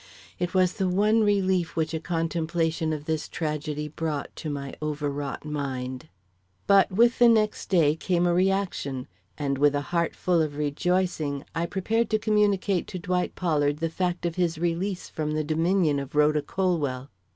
It was the one relief which a contemplation of this tragedy brought to my overwrought mind. But with the next day came a reaction; and with a heart full of rejoicing, I prepared to communicate to Dwight Pollard the fact of his release from the dominion of Rhoda Colwell.